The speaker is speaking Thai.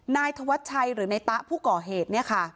นายธวัชชัยหรือในตะผู้ก่อเหตุ